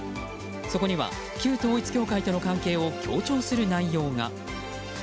そこには旧統一教会との関係を強調する内容が。